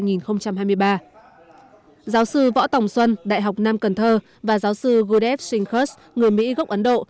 giáo sư võ tồng xuân đại học nam cần thơ và giáo sư gudev trinkers người mỹ gốc ấn độ